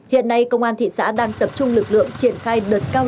hiện nay công an thị xã đang tập trung lực lượng triển khai đợt cao điểm